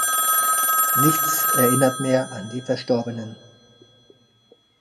Nichts erinnert mehr an die Verstorbenen.